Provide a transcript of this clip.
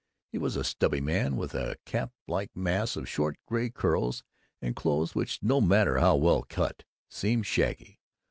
He was a stubby man with a cap like mass of short gray curls and clothes which, no matter how well cut, seemed shaggy.